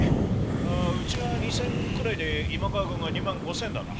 あうちが２，０００くらいで今川軍が２万５，０００だな」。